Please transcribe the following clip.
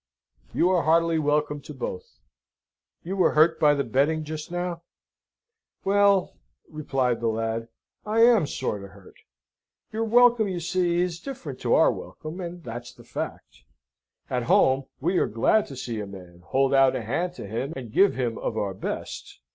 "You are heartily welcome to both. You were hurt by the betting just now?" "Well," replied the lad, "I am sort o' hurt. Your welcome, you see, is different to our welcome, and that's the fact. At home we are glad to see a man, hold out a hand to him, and give him of our best.